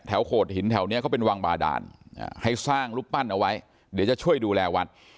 โขดหินแถวนี้เขาเป็นวังบาดานให้สร้างรูปปั้นเอาไว้เดี๋ยวจะช่วยดูแลวัด